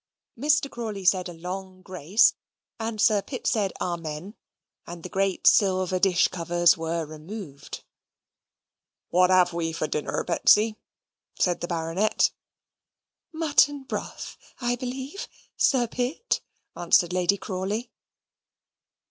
Mr. Crawley said a long grace, and Sir Pitt said amen, and the great silver dish covers were removed. "What have we for dinner, Betsy?" said the Baronet. "Mutton broth, I believe, Sir Pitt," answered Lady Crawley.